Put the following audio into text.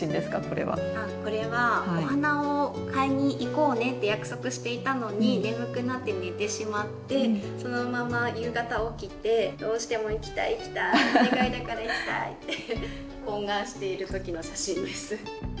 これはお花を買いにいこうねって約束していたのに眠くなって寝てしまってそのまま夕方起きてどうしても行きたい行きたいお願いだから行きたいって懇願している時の写真です。